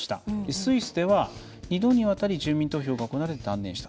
スイスでは２度にわたり住民投票が行われ断念した。